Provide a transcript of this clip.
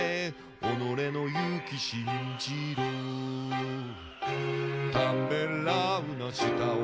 「おのれの勇気信じろ」「ためらうな下を見るな」